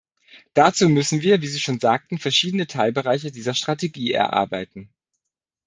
Dazu müssen wir, wie Sie schon sagten, verschiedene Teilbereiche dieser Strategie erarbeiten.